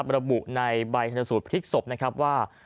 ระบุในใบขณะสูตรพฤติศพว่า